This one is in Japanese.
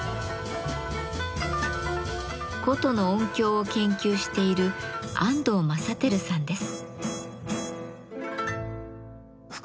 箏の音響を研究している安藤政輝さんです。